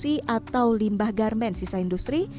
baik dari limbah produk atau limbah garmen sisa industri